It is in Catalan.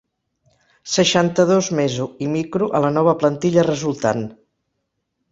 Seixanta-dos meso i micro a la nova plantilla resultant.